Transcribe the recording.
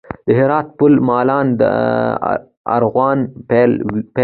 د هرات پل مالان د ارغوانو پل دی